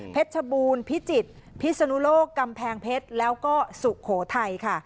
ชบูรณพิจิตรพิศนุโลกกำแพงเพชรแล้วก็สุโขทัยค่ะ